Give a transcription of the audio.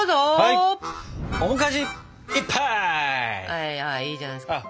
はいはいいいじゃないですか。